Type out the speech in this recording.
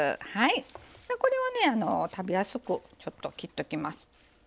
これをね食べやすく切っときます。